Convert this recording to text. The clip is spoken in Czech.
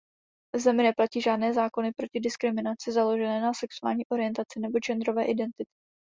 V zemi neplatí žádné zákony proti diskriminaci založené na sexuální orientaci nebo genderové identity.